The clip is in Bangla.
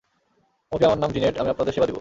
ওকে আমার নাম জিনেট, আমি আপনাদের সেবা দিবো।